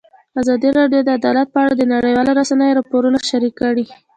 ازادي راډیو د عدالت په اړه د نړیوالو رسنیو راپورونه شریک کړي.